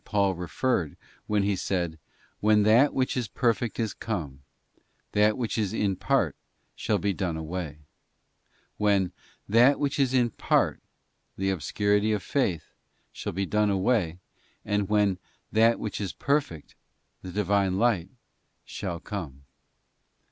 Paul referred when he said, 'When that which is perfect is come, that which is in part shall be done away;'§ when 'that which is in part,' the obscurity of faith, shall be done away, and when 'that which is perfect,' the Divine light, shall come.